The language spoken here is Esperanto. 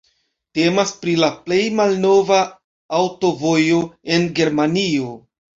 Temas pri la plej malnova aŭtovojo en Germanio.